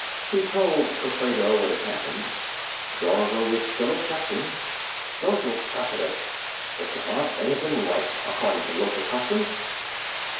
He told Gofredo what had happened. Dorver was still objecting: "... Social precedence; the Svant may have been right, according to local customs."